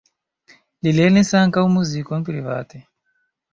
Li lernis ankaŭ muzikon private.